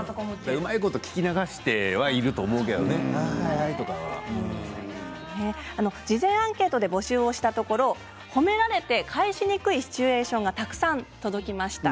うまいこと聞き流しては事前アンケートで募集したところ褒められて返しにくいシチュエーションがたくさん届きました。